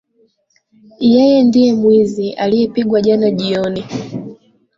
Yeye ndiye mwizi aliyepigwa jana jioni.